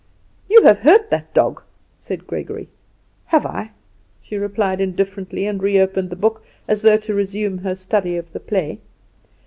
"You have hurt that dog," said Gregory. "Have I?" she replied indifferently, and re opened the book, as though to resume her study of the play.